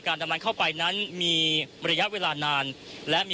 คุณทัศนาควดทองเลยค่ะ